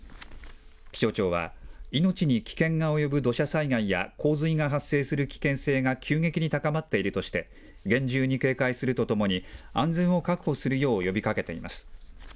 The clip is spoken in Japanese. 気象庁は、命に危険が及ぶ土砂災害や洪水が発生する危険性が急激に高まっているとして、厳重に警戒するとともに、安全を確保するよう呼びかけています。